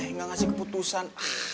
nggak ngasih keputusan